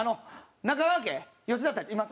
「中川家、吉田たち、います」。